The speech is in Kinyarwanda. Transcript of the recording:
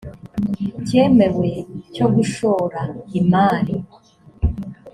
cyemewe cyo gushora imari